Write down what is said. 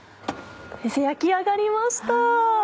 先生焼き上がりました！